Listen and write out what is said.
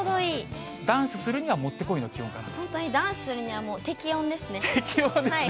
ダンスするにはもってこいの本当にダンスするには適温ですね。